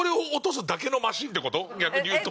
逆に言うと。